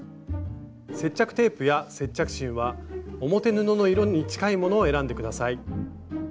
接着テープや接着芯は表布の色に近いものを選んで下さい。